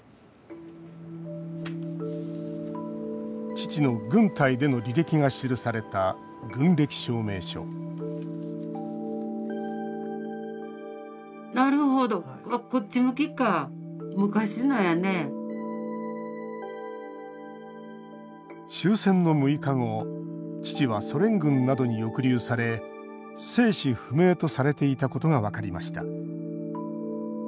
父の軍隊での履歴が記された軍歴証明書終戦の６日後父はソ連軍などに抑留され生死不明とされていたことが分かりました。